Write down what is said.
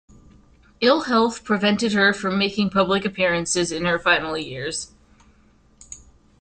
Ill health prevented her from making public appearances in her final years.